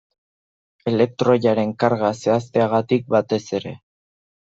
Elektroiaren karga zehazteagatik batez ere.